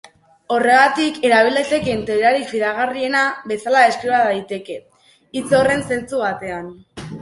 Horregatik erabil daitekeen teoriarik fidagarriena bezala deskriba daiteke, hitz horren zentzu batean.